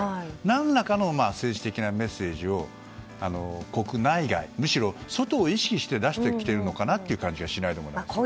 何らかの政治的メッセージを国内外、むしろ外を意識して出してきているのかなという感じもしないでもないですね。